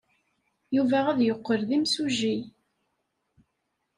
Yuba ad yeqqel d imsujji.